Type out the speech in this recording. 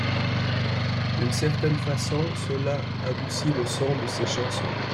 D'une certaine façon, cela adouci le son de ses chansons.